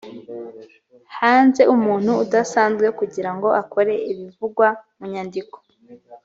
haze umuntu udasanzwe kugira ngo akore ibivugwa mu nyandiko